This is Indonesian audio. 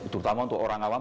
terutama untuk orang awam